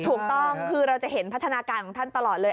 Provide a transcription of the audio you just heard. ถูกต้องคือเราจะเห็นพัฒนาการของท่านตลอดเลย